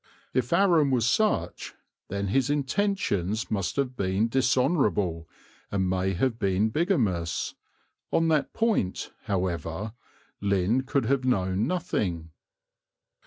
If Aram was such, then his intentions must have been dishonourable and may have been bigamous: on that point, however, Lynn could have known nothing.